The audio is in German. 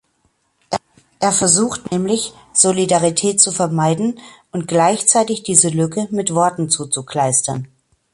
Er versucht nämlich, Solidarität zu vermeiden und gleichzeitig diese Lücke mit Worten zuzukleistern.